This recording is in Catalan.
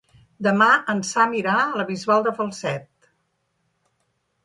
Demà en Sam irà a la Bisbal de Falset.